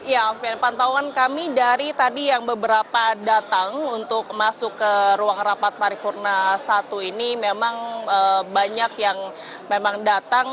ya alfian pantauan kami dari tadi yang beberapa datang untuk masuk ke ruang rapat paripurna satu ini memang banyak yang memang datang